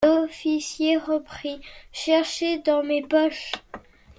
L’officier reprit :— Cherchez dans mes poches.